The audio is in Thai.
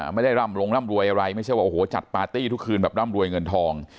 ร่ำลงร่ำรวยอะไรไม่ใช่ว่าโอ้โหจัดปาร์ตี้ทุกคืนแบบร่ำรวยเงินทอง